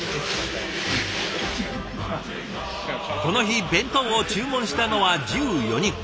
この日弁当を注文したのは１４人。